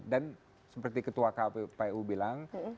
dan seperti ketua kpu bilang